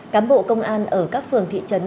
cán bộ công an ở các phường thị trấn